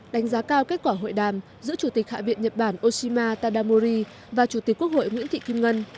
đánh giá cao kết quả hội đàm giữa chủ tịch hạ viện nhật bản oshima tadamori và chủ tịch quốc hội nguyễn thị kim ngân